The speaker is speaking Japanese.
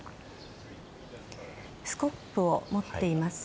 スコップを持っています。